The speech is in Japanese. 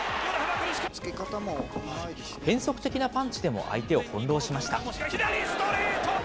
変則的なパンチでも相手をほんろうしました。